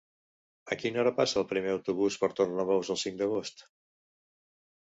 A quina hora passa el primer autobús per Tornabous el cinc d'agost?